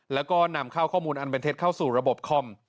แล้วก็นำเข้าข้อมูลอันเป็นเท็จเข้าสู่ระบบคอม